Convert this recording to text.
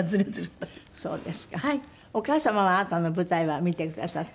お母様はあなたの舞台は見てくださったの？